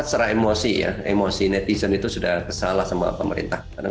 secara emosi ya emosi netizen itu sudah salah sama pemerintah